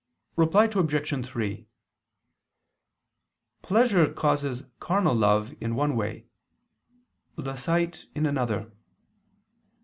Reply Obj. 3: Pleasure causes carnal love in one way; the sight, in another.